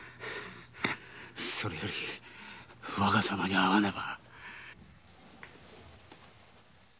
それより若様に会わねば。